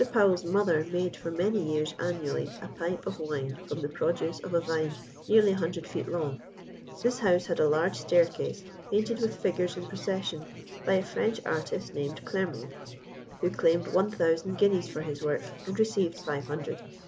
Powell's mother made for many years annually a pipe of wine from the produce of a vine nearly a hundred feet long. This house had a large staircase, painted with figures in procession, by a French artist named Clermont, who claimed one thousand guineas for his work, and received five hundred.